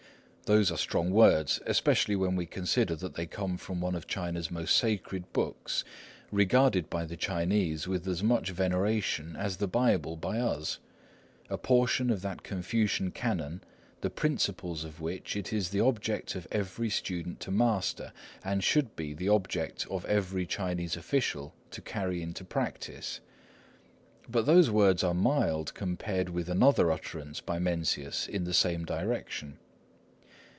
Those are strong words, especially when we consider that they come from one of China's most sacred books, regarded by the Chinese with as much veneration as the Bible by us,—a portion of that Confucian Canon, the principles of which it is the object of every student to master, and should be the object of every Chinese official to carry into practice. But those words are mild compared with another utterance by Mencius in the same direction.